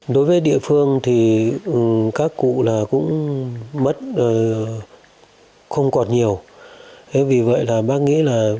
đối với địa phương thì các cụ là cũng mất không còn nhiều thế vì vậy là bác nghĩ là